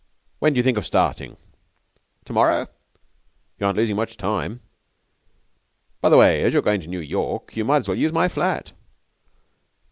When do you think of starting?' 'To morrow.' 'You aren't losing much time. By the way, as you're going to New York you might as well use my flat.'